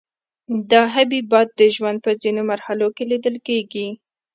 دا حبیبات د ژوند په ځینو مرحلو کې لیدل کیږي.